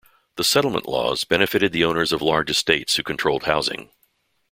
The Settlement Laws benefited the owners of large estates who controlled housing.